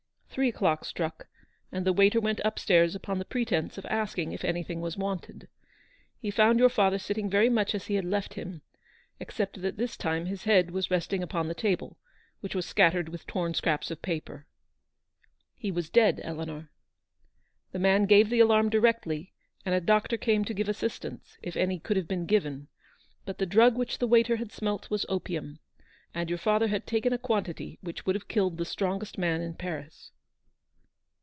Three o'clock struck, and the waiter went up stairs upon the pretence of asking if anything was wanted. He found your father sitting very much as he had left him, except that this time his head was resting upon the table, which was scattered with torn scraps of paper. He was dead, Eleanor. The man gave the alarm directly, and a doctor came to give assistance, if any could have been given ; but the drug which the waiter had smelt was opium, and your father had taken a quantity which would have killed the strongest man in Paris."